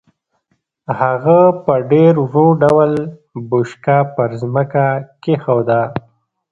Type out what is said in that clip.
هغه په ډېر ورو ډول بوشکه پر ځمکه کېښوده.